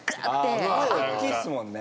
声おっきいっすもんね。